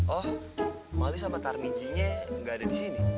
oh mauli sama tarmijinya nggak ada di sini